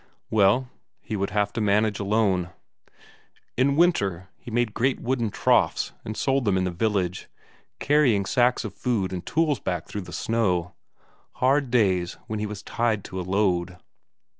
Well, he would have to manage alone. In winter, he made great wooden troughs, and sold them in the village, carrying sacks of food and tools back through the snow; hard days when he was tied to a load.